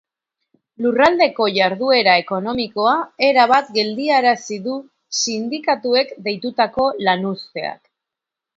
Lurraldeko jarduera ekonomikoa erabat geldiarazi du sindikatuek deitutako lanuzteak.